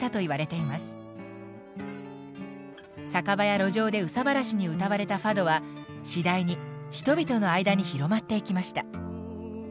酒場や路上で憂さ晴らしに歌われたファドは次第に人々の間に広まっていきました。